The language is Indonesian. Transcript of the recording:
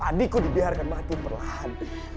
adikku dibiarkan mati perlahan